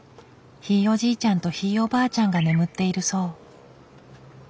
ひいおじいちゃんとひいおばあちゃんが眠っているそう。